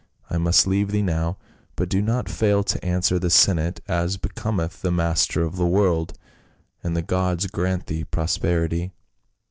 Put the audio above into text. I must leave thee now, but do not fail to answer the senate as be cometh the master of the world, and the gods grant thee prosperity."